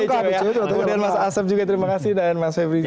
kemudian mas asam juga terima kasih dan mas febri